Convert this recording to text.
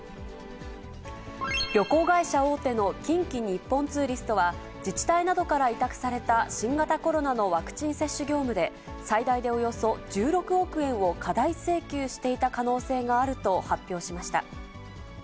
旅行会社大手の近畿日本ツーリストは、自治体などから委託された新型コロナのワクチン接種業務で、最大でおよそ１６億円を過大請求していた可能性があると発表しました。